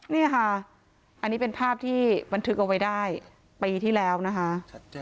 นี่ค่ะอันนี้เป็นภาพที่บันทึกเอาไว้ได้ปีที่แล้วนะคะ